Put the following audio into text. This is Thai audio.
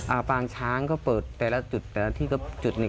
ปางช้างก็เปิดแต่ละจุดแต่ละที่ก็จุดหนึ่ง